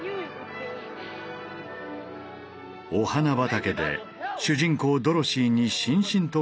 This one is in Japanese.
お花畑で主人公ドロシーにしんしんと降り積もるこの雪。